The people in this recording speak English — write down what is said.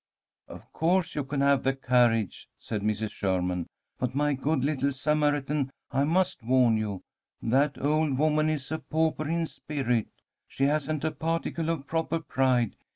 "Of course you can have the carriage," said Mrs. Sherman. "But, my good little Samaritan, I must warn you. That old woman is a pauper in spirit. She hasn't a particle of proper pride.